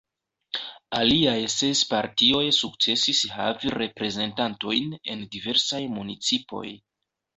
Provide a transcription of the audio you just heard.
Aliaj ses partioj sukcesis havi reprezentantojn en diversaj municipoj.